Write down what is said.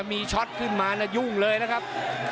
มีช็อตขึ้นมายุ่งเลยนะครับ